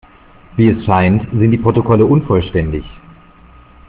Wie es scheint, sind die Protokolle unvollständig.